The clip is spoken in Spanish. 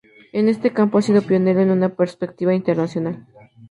En este campo ha sido pionero en una perspectiva internacional.